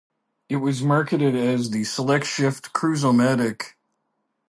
It was marketed as the "SelectShift Cruise-O-Matic".